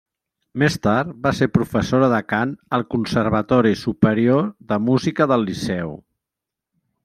Més tard va ser professora de cant al Conservatori Superior de Música del Liceu.